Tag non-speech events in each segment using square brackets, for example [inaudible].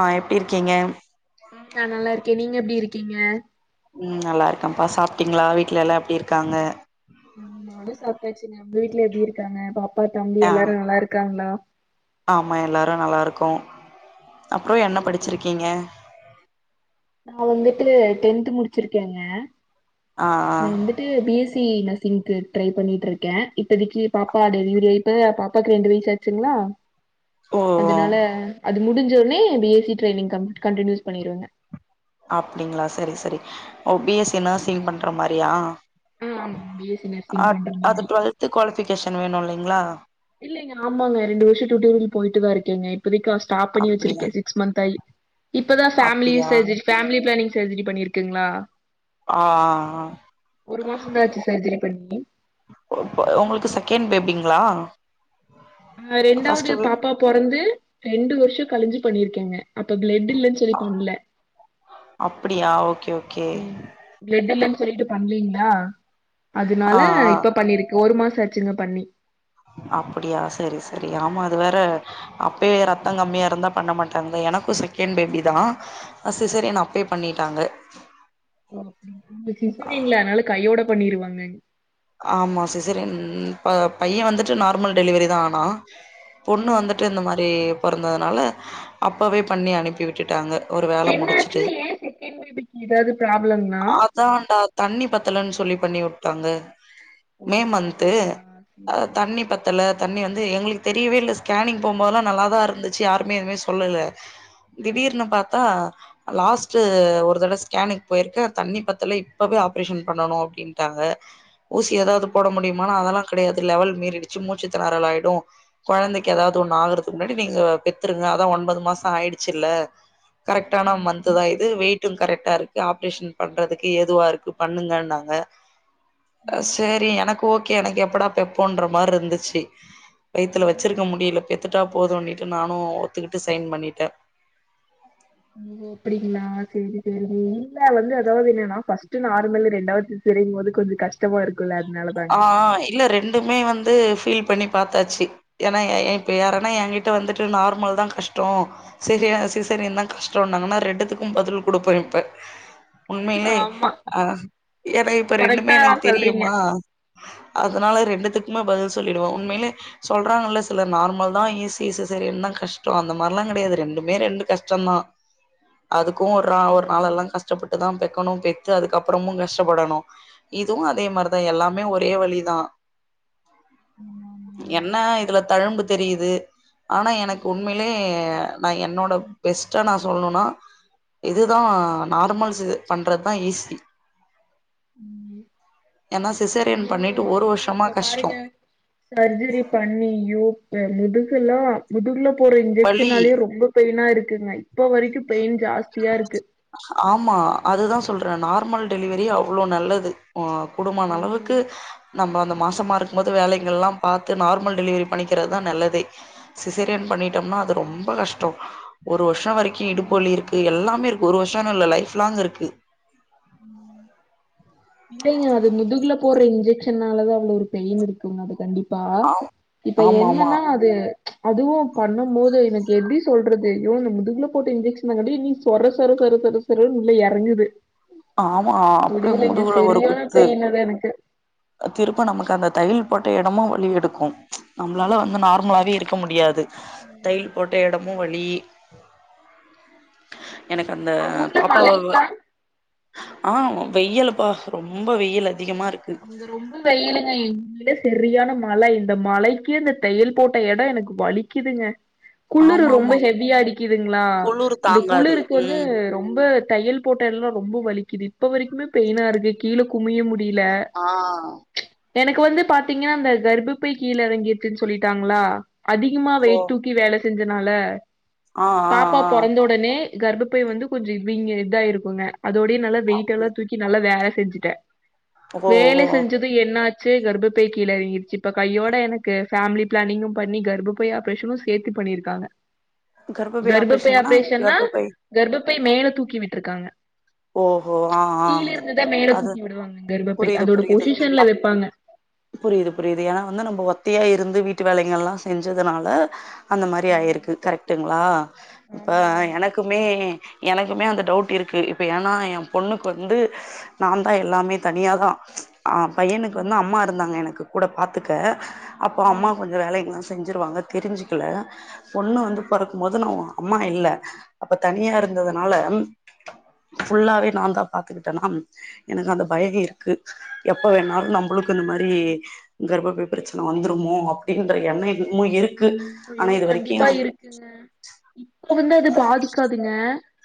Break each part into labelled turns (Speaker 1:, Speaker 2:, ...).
Speaker 1: ஆ எப்டி இருக்கீங்க
Speaker 2: நா நல்லா இருக்கே நீங்க எப்டி இருக்கீங்க
Speaker 1: ம் நல்லா இருக்கம்பா சாப்ட்டீங்களா வீட்டுல எல்லா எப்டி இருக்காங்க
Speaker 2: நானு சாபட்டாச்சிங்க உங்க வீட்ல எப்டி இருக்காங்க பாப்பா தம்பி
Speaker 1: ஆ
Speaker 2: எல்லாரு நல்லா இருக்காங்களா
Speaker 1: ஆமா எல்லாரு நல்லா இருக்கோ அப்றோ என்ன
Speaker 2: ம் சேரிங்க
Speaker 1: படிச்சுருக்கீங்க
Speaker 2: நா வந்துட்டு டென்த் முடிச்சுருக்கேங்க
Speaker 1: ஆ ஆ
Speaker 2: நா வந்துட் ந்துட்டு B S C nursing try பண்ணிட்டுருக்கே இப்பதைக்கி பாப்பா டெலிவரி ஆயிட்டு பாப்பாக்கு ரெண்டு வயசாச் சுங்களா
Speaker 1: ஓ ஓ
Speaker 2: அதுனால அது முடிஞ்சோடனே பி எஸ் சி ட்ரைனிங் கண்ட் கண்டினியூஸ் பண்ணிருவெங்க
Speaker 1: அப்டிங்களா சேரி சேரி ஓ பி எஸ் சி நர்சிங் பண்ற மாரியா
Speaker 2: ஆமா பி எஸ் சி நர்சிங் பண்ற மாரி
Speaker 1: வித் குவாலிபிகேஷன் வேணு இல்லைங்ளா
Speaker 2: இல்லைங்க ஆமாங்க ரெண்டு வர்ஷோ டுட்டோரியல் பொயிட்டுதா இருக்கேங்க இப்போதைக்கு ஹஸ்டல் ஸ்டாப் பண்ணி
Speaker 1: அப்டியா
Speaker 2: வச்சுருக்கே சிக்ஸ் மந்த் ஆகி இப்பதா ஃபேமிலி
Speaker 1: அப்டியா
Speaker 2: சர்ஜரி ஃபேமிலி ப்ளானிங் சர்ஜரி பண்ணியிருக்குங்ளா
Speaker 1: ஆ ஆ
Speaker 2: மாசம் தான் ஆச்சு சர்ஜரி பண்ணி.
Speaker 1: போ இப்ப உங்களுக்கு செகண்ட் பேபிங்ளா
Speaker 2: ஆ ரெண்டாவது பாப்பாப் பொறந்து ரெண்டு வருஷோ கழிஞ்சு பண்ணியிருக்கேங்க அப்ப ஃப்ளெட் இல்லன்னு சொல்லி பண்ல
Speaker 1: அப்டியா ஓகே ஓகே
Speaker 2: பிளெட் இல்லன்னு சொல்லிட்டு பண்லீங்களா
Speaker 1: ஆ
Speaker 2: அதனால
Speaker 1: ஆ
Speaker 2: இப்ப பண்ணிருக் ஒரு மாசம் ஆச்சிங்க பண்ணி
Speaker 1: அப்டியா சரி சரி ஆமா அது வேற அப்பே ரெத்தம் கம்மியா இருந்தா பண்ண மாட்டாங்க எனக்கு செக் கன் பேபி தான் சிஸ்செரியன் அப்பே பண்ணிட்டாங்க
Speaker 2: ஓ அப்டிங்களா சிஸ்செரியன்ல அதனால கையோட பண்ணிருவாங்க
Speaker 1: ஆமா சிஸ்செரியன் ப பையன் வந்துட்டு நார்மல் டெலிவரி தான் ஆனா பொண்ணு
Speaker 2: ம்.
Speaker 1: வந்து ட்டு இந்த மாரி பொறந்ததுனால அப்பவே பண்ணி அனுப்பி விட்டுட்டாங்க ஒரு வேல
Speaker 2: என்னாச்சு
Speaker 1: முடிச்சுட்டு
Speaker 2: ஏன் செகண்ட் பேபிக்கு ஏதாவது ப்ராப்ளம்னா
Speaker 1: ஆ அதான்டா தண்ணி பத்தலன்னு சொல்லி பண்ணி வுட்டாங்க
Speaker 2: ஓ!
Speaker 1: மே மந்த்து
Speaker 2: அப்டிங்களா? சரி,
Speaker 1: அ
Speaker 2: சரி.
Speaker 1: தண்ணி பத் பத்தல தண்ணி வந்து எங்களுக்கு தெரியவே இல்ல ஸ்கேனிங் போகும்போதல்லாம் நல்லா தான் இருந்துச்சு யாருமே எதுவுமே சொல்லல்ல
Speaker 2: ம்.
Speaker 1: திடீர்னு பாத்தா லாஸ்ட் ஒரு தட ஸ்கேனுக்கு போயிருக்கேன் தண்ணி பத்தல இப்பவே ஆப்ரேஷன் பண்ணணு அப்டின்ட்டாங்க ஊசி ஏதாவது
Speaker 2: ஐய்யய்யோ!
Speaker 1: போட முடியுமானா அதெல்லாம் கெடையாது லெவல் மீறிடிச்சி மூச்சு திணறல் ஆயிடு கொழந்தைக்கு ஏதாவது ஒண்ணு ஆகுறதுக்கு முன்னாடி நீங்க பெத்துருங்க அதா ஒன்பது மாச ஆயிடுச்சுல்ல கரெக்டானா
Speaker 2: சரி,
Speaker 1: மந்த்
Speaker 2: சரி.
Speaker 1: தான் இது வெயிட் டும் கரெக்ட்டா இருக்கு ஆப்ரேஷன் பண்றதுக்கு ஏதுவா இருக்கு பண்ணுங்க இன்னாங்க அ
Speaker 2: ம்,
Speaker 1: செரி எனக்கு ஓகே எனக்கு எப்படா பெப்போன்ற மாரி இருந்துச்சு வயித்துல
Speaker 2: ம்.
Speaker 1: வச்சிருக் க முடியல பெத்துட்டா போதும்ன்னிட்டு நானும் ஒத்துக்கிட்டு சைன் பண்ணிட்டே
Speaker 2: ம் அப்டிங்களா செரி செரி இல்ல வந்து அதாவது என்னன்னா ஃபஸ்ட் நார்மல் ரெண்டாவ்து சிஸ்செரியன் போது கொஞ்சம் கஷ் கஷ்டமா இருக்குல்ல அதுனா
Speaker 1: ஆ இல்ல ரெண்டுமே வந் து ஃபீல் பண்ணி பாத்தாச்சு ஏன்னா யார்னா ஏ கிட்ட வந்துட்டு நார்மல் தான் கஷ் டம் சரி அ சிசெரியன் தான் கஷ்டம்னாங்கன்னா ரெண்டுத்துக்கும் பதில் கொடுப்ப இப்ப உண்மையிலே
Speaker 2: ஆமா.
Speaker 1: அ என்னா இப்ப ரெண்டுமே
Speaker 2: கரெக்ட்டா
Speaker 1: எனக்கு
Speaker 2: சொல்றீங்க.
Speaker 1: தெரியுமா அதனால
Speaker 2: ம்.
Speaker 1: ரெண்டுத்துக்குமே பதில் சொல்லிடுவ உண்மையிலே சொல்றாங்கல்ல சில நார்மல் தான் ஈசி சிஸ்செரியன் தான் கஷ்டம் அந்த மாரில்லாம் கெடையாது ரெண்டுமே ரெண்டு கஷ்டம்தான் அதுக்கும் ஒரு நா ஒரு நாள்
Speaker 2: ஆமாங்க.
Speaker 1: எல்லாம் கஷ்டப்பட்டுதான் பெக்கணும் பெ த்து அதுக்கப்புறமும் கஷ்டப்படணும் இதுவும் அதே மாரிதான் எல்லாமே ஒரே வழிதான்
Speaker 2: ஆமா, ஆமாங்க.
Speaker 1: என்ன இதுல தழும்பு தெரியுது ஆனா எனக்கு
Speaker 2: ம்,
Speaker 1: உண்மையிலே நான் என்னோட பெஸ்ட்டா நா சொல்ணும்னா இதுதா நார்மல்ஸ் பண்றது தான் ஈஸி
Speaker 2: ம்.
Speaker 1: ஏன்னா சிஸ்செரியன்
Speaker 2: இல்லங்க,
Speaker 1: பண்ணிட்டு ஒரு
Speaker 2: இல்லங்க.
Speaker 1: வருஷமா
Speaker 2: இப்ப
Speaker 1: கஷ்டோ
Speaker 2: பாருங்க. சர்ஜரி பண்ணி ஐயோ அ முதுகெல்லா முதுகுல போற
Speaker 1: வலி
Speaker 2: இன்ஜெக்ஷனாலயே ரொம்ப பெயினா இருக்குங்க இப்ப வரைக்கும் பெயின் ஜாஸ்தியா இருக்கு
Speaker 1: ஆமா அதுதா சொல்ற நார்மல் டெலிவரி அவ்ளோ நல்லது ஆ கூடுமான அளவுக்கு
Speaker 2: ம்,
Speaker 1: நம்ம அந்த மாசமா இருக்கும் போது வேலைகள்லாம் பாத்து நார்மல் டெலிவரி பண்ணிக்கிறது தா நல்லதே சிசெரியன் பண்ணிட்டோம்னா அது ரொம்ப கஷ்ட்டோ ஒரு வருஷோ வரைக்கும்
Speaker 2: ம்,
Speaker 1: இடுப்பலி இருக்கு எல்லாமே இருக்கு ஒரு வருஷோ இல்லன்னு இல்ல லைஃப் லாங் இருக்கு
Speaker 2: ம் இல்லைங்க அது முதுகுல போற இன்ஜெக்ஷனாலதான் அதுல ஒரு பெயின் இருக்குங்க அது கண்டிப்பா பா
Speaker 1: ஆ
Speaker 2: இப்ப
Speaker 1: ஆமா ஆமா
Speaker 2: என்னனா அது அதுவு பண்ணும்போது எனக்கு எப்டி சொல்றது அய்யோ அந்த முதுகுல போட்ட இன்ஜெக்ஷன்காட்டி நீ சொர சொர சொர ரன்னு உள்ள எறங்குது
Speaker 1: ஆமா அப்யே முதுகுல ஒரு
Speaker 2: செரியான
Speaker 1: குத்து
Speaker 2: பெய்னு அது எனக்கு
Speaker 1: திருப்ப நமக்கு அந்த தய்யல் போட்ட எடமு வலி எடுக்கு நம்மளால வந்து நார்மலாவே இருக்க முடியாது தைய்யல் போட்ட இடமு வலி எனக்கு அந்த
Speaker 2: உங்க ஊர்ல
Speaker 1: பாப்பாவ
Speaker 2: மழைங்களா
Speaker 1: ஆ வெய்லுப்பா ரொம்ப வெயில் அதிகமா இருக்கு
Speaker 2: அங்க ரொம்ப வெயிலுங்க எங்கிட்ட செரியான மழை இந்த மழைக்கே இந்த தெய்யல் போட்ட எடோ எனக்கு வலிக்குதுங்க
Speaker 1: [inaudible]
Speaker 2: குளுரு ரொம்ப
Speaker 1: ஆமா
Speaker 2: ஹெவியா அடிக்குதுங்ளா
Speaker 1: குளுரு
Speaker 2: இந்த
Speaker 1: தாங்காது
Speaker 2: குளுருக்கு வந்து
Speaker 1: ம்
Speaker 2: ரொம்ப தெய்யல் போட்ட எல்லா ரொம்ப வலிக்குது இப்ப வரைக்குமே பெயினா இருக்கு கீழ குமிய முடில
Speaker 1: ஆ
Speaker 2: எனக்கு வந்து பாத்தீங்கன்னா அந்த கர்ப்பப்பை கீழ இறங்கிட்டுன்னு சொல்லிட்டாங்ளா அதிகமா
Speaker 1: ஓ
Speaker 2: வெயிட் தூக்கி வேல செஞ்சனால
Speaker 1: ஆ ஆ
Speaker 2: பாப்பா
Speaker 1: ஆ
Speaker 2: பொறந்த ஒடனே கர்ப்பபை வந்து கொஞ்சோ வீங்கி இதாயிருக்குங்க அதோடயே நல்லா வெயிட்டெல்லா தூக்கி நல்லா வேல செஞ்சுட்ட
Speaker 1: ஓ
Speaker 2: வேல செஞ்சு
Speaker 1: ஓ
Speaker 2: து என்னாச்சு கர்ப்பபை கீழ எறங்கிருச்சு இப்ப கையோட எனக்கு ஃபேமிலி பிளானிங்கு பண்ணி கர்ப்பபை அப்ரேஷனு சேத்து பண்ணிருக்காங்க
Speaker 1: கர்ப்பபை ஆப்ரேஷ்ன்னா கர்ப்பபை
Speaker 2: கர்ப்பபை மேல தூக்கி விட்டுருக்காங்க
Speaker 1: ஓஹோ ஆ ஆ
Speaker 2: கீழ இருந்துதா மேல
Speaker 1: அது
Speaker 2: தூக்கி விடுவாங்க கர்ப்பபை அதோட பொசிஷன்ல வெப்பாங்க
Speaker 1: புரிது புரிது ஏனா வந்து நம்ம ஒத்தையா இருந்து வீட்டு வேலைங்கெல்லா செஞ்சதுனால அந்த மாரி ஆயிருக்கு கரெக்ட்டுங்ளா இப்ப
Speaker 2: ஆமாங்க.
Speaker 1: எனக்குமே எனக்குமே அந்த டவுட் இருக்கு இப்ப ஏனா என் பொண்ணுக்கு வந்து நான்தா எல்லாமே தனியாதா ஆ பையனுக்கு வந்து அம்மா இருந்தாங்க எனக்கு கூட பார்த்துக்க அப்போ அம்மா
Speaker 2: ம்.
Speaker 1: கொஞ்சோ வேலைங்கெல்லா செஞ்சுருவாங்க தெரிஞ்சுக்கல பொண்ணு வந்து பொறக் க்கும்போது மொத நா ஒ அம்மா இல்ல அப்ப தனியா இருந்ததுனால ஃபுல்லாவே நான்தா பாத்துகிட்டனா எனக்கு அந்த பயோ இருக்கு எப்ப வேணாலு நம்மளுக்கு இந்த மாரி கர்ப்பபை பிரச்சன வந்துருமோ அப்டின்ற எண்ணோ இன்னமு இருக்கு ஆனா இது வரைக்கு
Speaker 2: ங்க இப்ப வந்து அது பாதிக்காதுங்க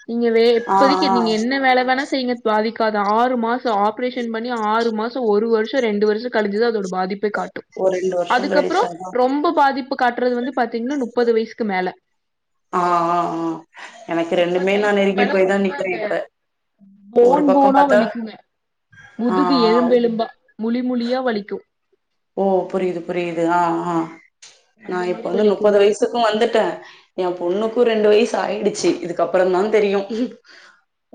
Speaker 2: நீங்க வே
Speaker 1: ஆ
Speaker 2: இப்போதைக்கு
Speaker 1: ஆ
Speaker 2: நீங்க என்ன வேல வேணா செய்ங்க பாதிக்காது ஆறு மாசோ ஆப்ரேஷன் பண்ணி ஆறு மாசோ ஒரு வருஷோ ரெண்டு வருஷோ கழிஞ்சுதா அதோட பாதிப்பே காட்டு
Speaker 1: ஒரு ரெண்டு வருஷம்
Speaker 2: அதுக்கப்பறோ
Speaker 1: கழிச்சாதான்
Speaker 2: ரொம்ப பாதிப்பு காட்டறது வந்து பாத்தீங்கன்னா முப்பது வயசுக்கு மேல
Speaker 1: ஆ ஆ ஆ எனக்கு
Speaker 2: முப்பது
Speaker 1: ரெண்டுமே நா
Speaker 2: வயசுக்கு
Speaker 1: நெருங்கி
Speaker 2: மேல
Speaker 1: போய்தா
Speaker 2: ரொம்ப
Speaker 1: நிப்ப
Speaker 2: அந்த
Speaker 1: இப்ப ஒரு
Speaker 2: போன்
Speaker 1: பக்கம்
Speaker 2: போனா
Speaker 1: பாத்தா
Speaker 2: வலிக்குங்க
Speaker 1: ஆ
Speaker 2: முதுகு
Speaker 1: ஆ
Speaker 2: எலும்பெலும்பா முழி முழியா வலிக்கு
Speaker 1: ஓ புரிது புரிது ஆ ஆ நா
Speaker 2: அந்த
Speaker 1: இப்ப
Speaker 2: மாரி
Speaker 1: வந்து முப்பது
Speaker 2: வலிக்குங்க
Speaker 1: வயசுக்கு வந்துட்ட என் பொண்ணுக்கு ரெண்டு வயசு ஆயிடுச்சு இதுக்கப்புறந்தா தெரியு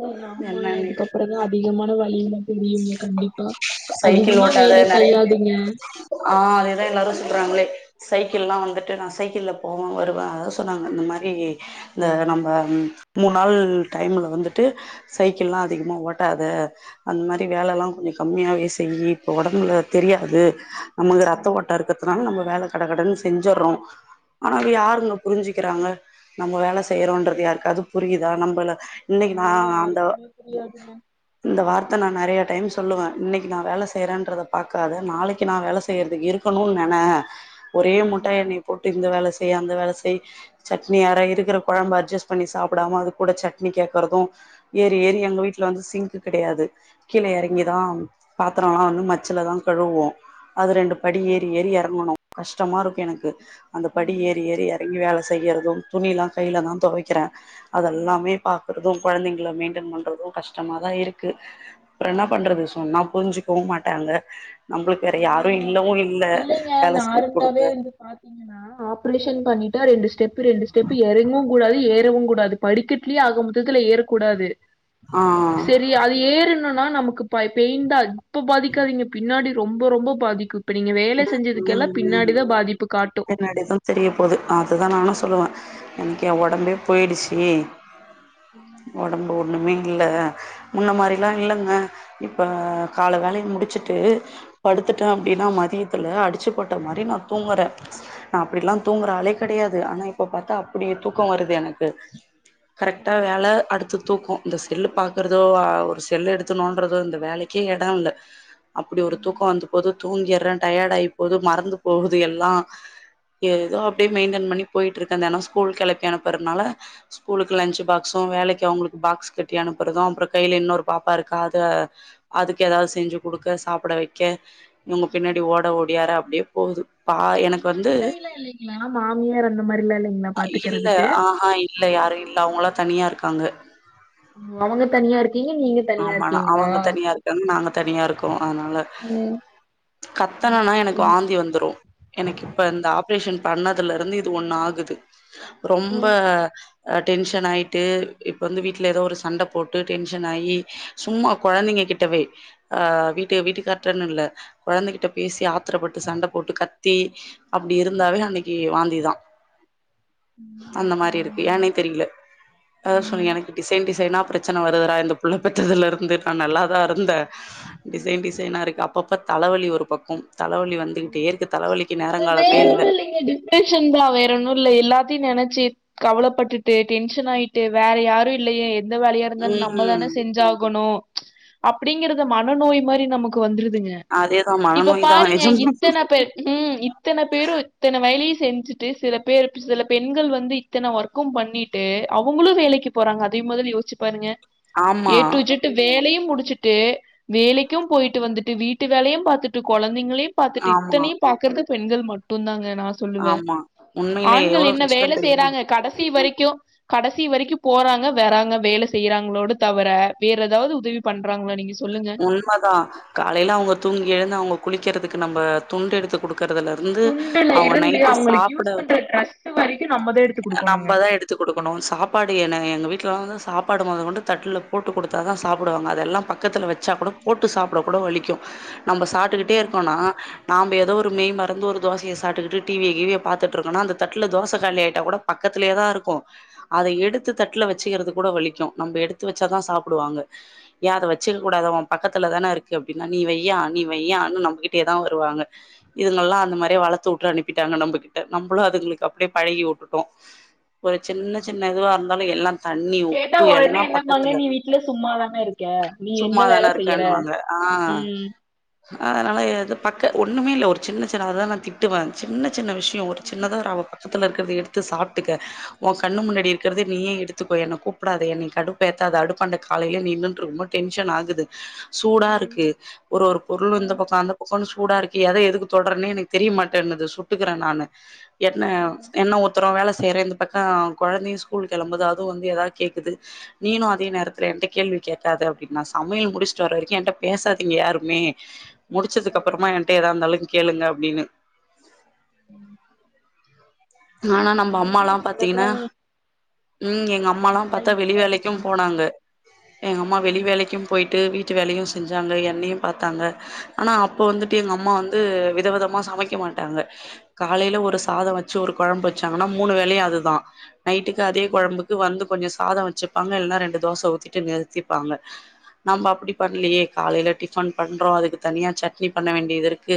Speaker 2: ம் ஆமாங்க இதுக்கப்பறந்தா அதிகமான வழில தெரியுங்க கண்டிப்பா
Speaker 1: சைக்கிள்
Speaker 2: அதிகமா வேல
Speaker 1: ஓட்டாத நெறைய
Speaker 2: செய்யாதீங்க
Speaker 1: ஆ அதேதா எல்லாரு சுத்றாங்களே சைக்கிள்ல்லா வந்துட்டு நான் சைக்கிள்ல போவோ வருவே அத றாங்க இந்த மாரி இந்த நம்ப இந்த மாரி டைம்ல வந்துட்டு சைக்கில்லா அதிகமா ஓட்டாத அந்த மாரி வேலலா கொஞ்சோ கம்மியாவே செய்யி இப்போ உடம்புல தெரியாது நமக்கு ரத்த ஓட்டோ இருக்கிறதுனால நம்ம வேல கட கடனு செஞ்சிர்றோ ஆனா யாருங்க புரிஞ்சுக்கிறாங்க நம்ம வேல செய்யிறோன்றது யாருக்காது புரியுதா நம்பள
Speaker 2: ஐயோ யாருக்குமே புரியாதுங்க
Speaker 1: இந்த வார்த் த நா நெறைய டைம் சொல்லுவ இன்னைக்கு நா வேல செய்யறேன்றத பாக்காத நாளைக்கு நா வேல செய்யறதுக்கு இருக் இருக்கணுன் நென ஒரே முட்டா எனைய போட்டு இந்த வேல செய் அந்த வேல செய் சட்னி அர இருக்கிற குழம்ப அட்ஜஸ்ட் பண்ணி சாப்டாம அது கூட சட்னி கேக்றது ஏறி ஏறி எங்க வீட்டுல வந்து சிங்க்கு கிடையாது கீழ இறங்கி தா பாத்திரோலா வந்து மச்சில தா கழுவுவோ அது ரெண்டு படி ஏறி ஏறி எறங்கணு கஷ்டமா இருக்கு எனக்கு அந்த படி ஏறி ஏறி எற எறங்கி வேல செய்யிறது துணில்லா கைல தா துவக்கிற அதெல்லாமே பாக்றது கொழந்தைங்கள மெயின்டன் பண்ணுறது கஷ்டமாதா இருக்கு என்னா பண்றது சொன்னா புரிஞ்சுக்கவு மாட்டாங்க நம்மளுக்கு வேற யாரு இல்லவு இல்ல வேல செஞ்சு குடுக்க
Speaker 2: ஆனா ஆப்ரேஷன் பண்ணிட்டா ரெண்டு ஸ்டெப் ரெண்டு ஸ்டெப்பு இறங்கவு கூடாது ஏறவு கூடாது படிக்கட்டிலயே ஆக மொத்தத்துல ஏறக்கூடாது
Speaker 1: ஆ
Speaker 2: சரி அது ஏறுணனா நமக்கு பெயிண்தா இருக்கு இப்ப பாதிக்காதீங்க பின்னாடி ரொம்ப ரொம்ப பாதிக்கு இப்ப நீங்க வேல செஞ்சதுக்கெல்லா பின்னாடிதா பாதிப்பு காட்டு
Speaker 1: பின்னாடி தாதெரிய போது அதுதா நானு சொல்லுவே எனக்கு ஏ உடம்பே போயிடுச்சு உடம்பு ஒண்ணுமே இல்ல முன்ன மாரிலா இல்லங்க இப்ப கால வேலய முடிச்சுட்டு படுத்துட்ட அப்டின்னா மதியத்துல அடிச்சு போட்ட மாரி நா தூங்குற நா அப்டிலா தூங்குற ஆளே கெடையாது ஆனா இப்ப பாத்தா அப்டி தூக்க வருது எனக்கு கரெக்டா வேல அடுத்து தூக்கோ இந்த செல்லு பாக்குறதோ ஒரு செல்லு எடுத்து நோன்றதோ இந்த வேலைக்கே இட இல்ல அப்டி ஒரு தூக்கம் வந்து போது தூங்கிற டயடு ஆகி போது மறந்து போகுது எல்லா ஏதோ அப்டி மெயின்டன் பண்ணி போயிட்டு இருக்கே தெனோ ஸ்கூல் கிளப்பி அனுப்பறனால ஸ்கூலுக்கு லன்ச்சு பாக்ஸு வேலைக்கு அவங்களுக்கு பாக்ஸ் கட்டி அனுப்புறது அப்புற கையில இன்னொரு பாப்பா இருக்கா அத அதுக்கு எதாவது செஞ்சு குடுக்க சாப்ட வைக்க இவங்க பின்னாடி ஓட ஒடியார அப்டியே போது
Speaker 2: உங்க அட்டைல்ல இல்லைங்களா ஆமா மாமியார் அந்த மாரில்லா இல்லைங்களா
Speaker 1: இல்ல
Speaker 2: பாத்துக்கிறதுக்கு
Speaker 1: ஆஹா இல்ல யாரு இல்ல அவங்களா தனியா இருக்காங்க
Speaker 2: அவங்க தனியா இருக்கீங்க நீங்க தனியா இருக்கீங்களா
Speaker 1: தென் நாங்க தனியா இருக்கோ அதனால
Speaker 2: ம்
Speaker 1: கத்தனனா எனக்கு வாந்தி வந்துரு எனக்கு இப்போ இந்த ஆப்ரேஷன் பண்ணதுலருந்து இது ஒன்னு ஆகுது ரொம்ப டென்ஷன் ஆயிட்டு இப்போ வந்து வீட்ல ஏதோ ஒரு சண்ட போட்டு டென்ஷன் ஆயி சும்மா குழந்தைங்க கிட்டவே வீட்டு வீட்டுகார்டனுல்ல கொழந்தகிட்ட பேசி ஆத்திரப்பட்டு சண்ட போட்டு கத்தி அப்டி இருந்தாவே அன்னைக்கு வாந்திதா அந்த மாரி இருக்கு ஏன்னே தெரில அத சொன்னே எனக்கு டிசைன் டிசைனா பிரச் ரச்சன வருதுறா இந்த புள்ள பெத்ததுல இருந்து நா நல்லா தா இருந்த டிசைன் டிசைனா இருக்கு அப்பப்ப தலவலி ஒரு பக்கோ தலவலி வந்துகிட்டே இருக்க தலவலிக்கு நேரங்காலமே இல்ல
Speaker 2: டென்ஷன் தா வேற ஒன்னுல்ல எல்லாத்தையு நெனச்சு கவலப்பட்டுட்டு டென்ஷன் ஆயிட்டு வேற யாரு இல்லயே எந்த வேலையாரு வந்தாலு நம்ம தானே
Speaker 1: ம்
Speaker 2: செஞ்சாகணு அப்டிங்கிறது மனநோய் மாரி நமக்கு வந்துருதுங்க
Speaker 1: அதேதா
Speaker 2: இப்ப
Speaker 1: மனநோய்தா
Speaker 2: பாருங்க
Speaker 1: நெஜமா
Speaker 2: இப் அப்ப ம் இத்தன பேரு இத்தன வயலயு செஞ்சுட்டு சில பேரு இப்ப சில பெண்கள் வந்து இத்தன ஒர்க்கு பண்ணிட்டு அவுங்களு வேலைக்கு போறாங்க அதையு மொதல் யோசுச்சு பாருங்க
Speaker 1: ஆமா
Speaker 2: ஏ டூ இஜட் ட்டு வேலையு முடிச்சுட்டு வேலைக்கு போயிட்டு வந்துட்டு வீட்டு வேலையு பாத்துட்டு கொழந்தைங்களையு பாத்துட்டு
Speaker 1: ஆமா
Speaker 2: இத்தனையு பாக்கற்து பெண்கள் மட்டுந்தாங்க நா சொல்லுவே
Speaker 1: ஆமா உண்மையிலே
Speaker 2: ஆண்கள்
Speaker 1: எவ்ளோ
Speaker 2: என்ன வேல
Speaker 1: கஷ்டந் தெரியுமா
Speaker 2: செய்றாங்க கடசி வரைக்கு கடசி வரைக்கு போறாங்க வராங்க வேல செய்றாங்ளோடு தவர வேற எதாவ்து உதவி பண்றாங்ளா நீங்க சொ
Speaker 1: உண்மதா காலைல அவ்ங்க தூங்கி எழுந்து அவ்ங்க குளிக்கிறதுக்கு நம்ப துண்டெடுத்து குடுக்கறதுல இரு ந்து
Speaker 2: இல்ல
Speaker 1: அவ்ங்க நைட்டு
Speaker 2: இவங்களுக்கு
Speaker 1: சாப்ட
Speaker 2: யூஸ் பண்ற ட்ரெஸ் வரைக்கு நம்
Speaker 1: அ நம்பதா எடுத் த்து குடுக்கணு சாப்பாடு என எங்க வீட்லலா வந்து சாப்பாடு மொத கொண்டு தட்ல போட்டு குடுத்தா தா சாப்டுவாங்க அதெல்லாம் பக்கத்துல வச்சா கூட போட்டு சாப்ட கூட வலிக்கு நம்ப சாப்டுக்கிட்டே இருக்கோனா நாம்ப எதோ ஒரு மெய் மறந்து ஒரு தோசய சாப்ட்டுக்கிட்டு டி வி ய கீவிய பாத்துட்ருக்கோன அந்த தட்ல தோச காலியாய்ட்டா கூட பக்கத்லயே தா இருக்கு அத எடுத்து தட்ல வச்சுகிறது கூட வலிக்கு நம்ப எடுத்து வச்சாதா சாப்டுவாங்க ஏ அத வச்சில் கூடாது ஒ பக்கத்துல தான இருக்கு அப்டினா நீ வையா நீ வையானு நம்மகிட்டயே தா வருவாங்க இதுங்கல்லா அந்த மாரியே வளத்துட்டு அனுப்பிட்டாங்க நம்பகிட்ட நம்பளு அதுங்களுக்கு அப்டியே பழகிவுட்டுட்டோ ஒரு சின்ன சின்ன இதுவா இருந்தாலு எல்லா தண்ணி
Speaker 2: கேட்டா
Speaker 1: உப்பு எல்லா
Speaker 2: ஒடனே என்னம்பாங்க
Speaker 1: பக்கத்துல
Speaker 2: நீ வீட்ல சும்மாதான இருக்க நீ என்ன வேல
Speaker 1: சும்மாதான
Speaker 2: செய்யற
Speaker 1: இருக்கன்னுவாங்க ஆ
Speaker 2: ம்
Speaker 1: அதனால எது பக்க ஒன்னுமே இல்ல ஒரு சின்ன சின்ன அததா நா திட்டுவே சின்ன சின்ன விஷ்ய ஒரு சின்னதா ஒரு அவ பக்கத்துல இருக்கிறத எடுத்து சாப்ட்டுக்க ஒ கண்ணு முன்னாடி இருக்கற்த நீயே எடுத் த்துக்கோ என்ன கூப்டாத என்னய கடுப்பேத்தாத அடுப்பாண்ட காலைலே நின்னுன்ட் ரொம்ப டென்ஷன் ஆகுது சூடா இருக்கு ஒரு ஒரு பொருளு இந்த பக்க அந்த பக்கனு சூடா இருக்கு எத எதுக்கு தொட்ரன்னே எனக்கு தெரியமாட்டேனுது சுட்டுக்கிறே நானு என்ன எண்ணெ ஊத்ரோ வேல செய்றேந்து டக்கா கொழந்தையு ஸ்கூல் கெளம்புது அதுவு வந்து எதாது கேக்குது நீீனு அதே நேரத்துல எந்த கேள்வியு கேக்காத அப் டின் நா சமையல் முடிச்ட்டு வர்ற வரைக்கு என்ட்ட பேசாதீங்க யாருமே முடிச்சதுக்கப்பறமா என்ட்ட எதாருந்தாலுங் கேளுங்க அப்டின்னு
Speaker 2: ம்
Speaker 1: நானா நம்ப அம்மாலா
Speaker 2: அப்றோ
Speaker 1: பாத்தீங்கனா
Speaker 2: நீ
Speaker 1: ம் எங்க அம்மாலா பாத்தா வெளி வேலைக்கு போனாங்க எங்கம்மா வெளி வேலைக்கு போயிட்டு வீட் ட்டு வேலையு செஞ்சாங்க என்னையு பாத்தாங்க ஆனா அப்ப வந்துட்டு எங்க அம்மா வந்து விதவிதமா சமைக் க மாட்டாங்க காலைல ஒரு சாத வச்சு ஒரு கொழம்பு வச்சாங்கனா மூணு வேலையு அதுதா நைட்டுக்கு அதே கொழம்புக்கு வந்து கொஞ்ச சாத வச்சுப்பாங்க இல்லனா ரெண்டு தோச ஊத்திட்டு நிறுத்திப்பாங்க நம்ப அப்டி பண்லயே காலைல டிஃபன் பண்றோ அதுக்கு தனியா சட்னி பண்ண வேண்டியது இருக்கு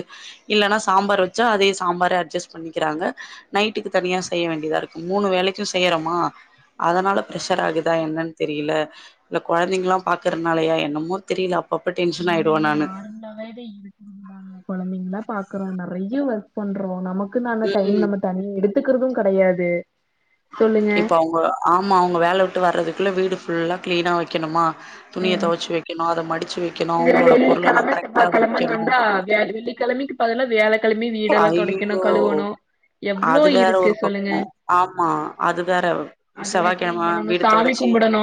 Speaker 1: இல்லனா சாம்பார் வச்சா அதே சாம்பார அட்ஜஸ்ட் பண்ணிக்கிறாங்க நைட்டுக்கு தனியா செய்ய வேண்டியதா இருக்கு மூணு வேலைக்கு செய்யறமா அதனால ப்ரஷர் ஆகுதா என்னன் தெரியல இந்த கொழந்தைங்களா பாக்குறனாலயா என்னமோ தெரில அப்பப்ப டென்ஷன் ஆய்டுவ நானு
Speaker 2: நம்ம வேரி இவ ஆமாங்க குழந்தைங்கலா பாக்கறோ நறைய ஒர்க் பண்றோ நமக்கு தான டைம்
Speaker 1: ம்
Speaker 2: நம தனி எடுத்துக்குறது கடையாது
Speaker 1: இப்ப அவுங்க ஆமா அவுங்க வேல விட்டு வர்றதுக்குள்ள வீடு ஃபுல்லா கிளீனா வைக்கணுமா துணிய துவச்சு வைக்கணு அத மடிச்சு வைக்கணு
Speaker 2: இதுல
Speaker 1: அவுங்களோட பொருளல்லா
Speaker 2: வெள்ளிக்கிழம
Speaker 1: கரெக்டா வைக்கணு
Speaker 2: ப்ப அதெல்லா வேலைக்கெழமையு வீடெல்லா தொடைக்கணு
Speaker 1: ஐய்யய்யோ!
Speaker 2: கழுவணு எவ்ளோ
Speaker 1: அது வேற
Speaker 2: இருக்கு
Speaker 1: ஒரு
Speaker 2: சொல்லுங்க
Speaker 1: பக்கோங்க ஆமா அ அது வேற செவ்வாய்கிழம வீடு தொடச்சி
Speaker 2: நா